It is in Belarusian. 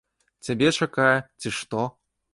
Цябе чакае, ці што?